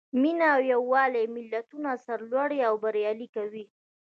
مینه او یووالی ملتونه سرلوړي او بریالي کوي.